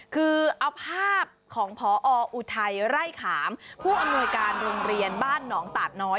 คือเอาภาพของพออุทัยไร่ขามผู้อำนวยการโรงเรียนบ้านหนองตาดน้อย